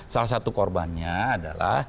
salah satu korbannya adalah